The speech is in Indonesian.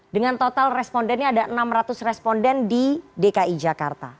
dengan total respondennya ada enam ratus responden di dki jakarta